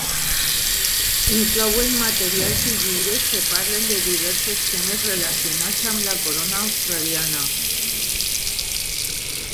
Inclouen materials i llibres que parlen de diversos temes relacionats amb la Corona Australiana.